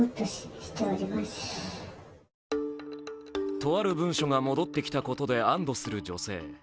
とある文書が戻ってきたことで安どする女性。